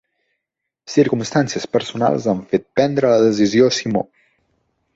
Circumstàncies personals han fet prendre la decisió a Simó